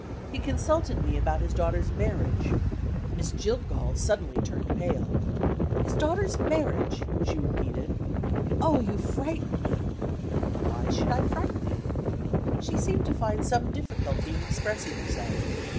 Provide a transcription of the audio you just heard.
He consulted me about his daughter's marriage." Miss Jillgall suddenly turned pale. "His daughter's marriage?" she repeated. "Oh, you frighten me!" "Why should I frighten you?" She seemed to find some difficulty in expressing herself.